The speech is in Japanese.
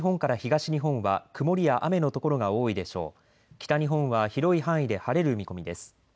北日本は広い範囲で晴れる見込みです。